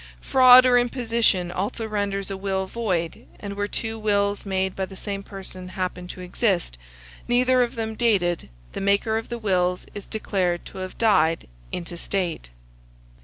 Fraud or imposition also renders a will void, and where two wills made by the same person happen to exist, neither of them dated, the maker of the wills is declared to have died intestate.